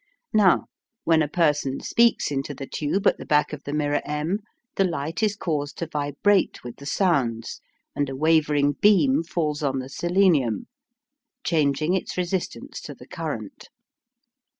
Now, when a person speaks into the tube at the back of the mirror M, the light is caused to vibrate with the sounds, and a wavering beam falls on the selenium, changing its resistance to the current.